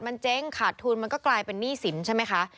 มันเจ๊งขาดทุนมันก็กลายเป็นหนี้สินใช่ไหมคะ